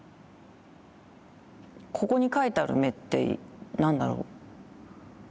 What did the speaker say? ここに描いてある目って何だろう